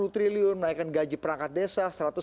empat puluh triliun menaikkan gaji perangkat desa